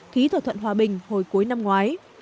ký thỏa thuận hòa bình hồi cuối năm ngoái